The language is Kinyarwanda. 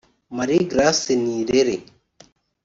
Marie Grace Nirere